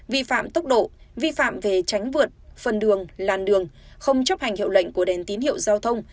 vi phạm tốc độ vi phạm về tránh vượt phần đường làn đường không chấp hành hiệu lệnh của đèn tín hiệu giao thông